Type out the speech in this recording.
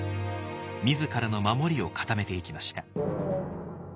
自らの守りを固めていきました。